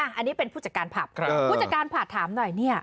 อ่าอันนี้เป็นผู้จัดการภัพธ์ครับผู้จัดการภาพถามหน่อยเนี่ย